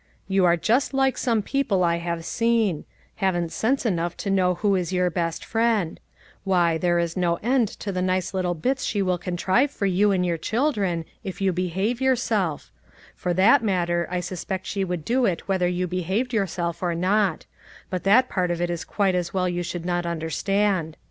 You are just like some people I have seen ; haven't sense enough to know who is your best friend ; why, there is no end to the nice little bits she will contrive for you and your children, if you \>ehave yourself ; for that matter, I suspect she would do it whether you behaved yourself or not ; but that part it is quite as well you should not understand.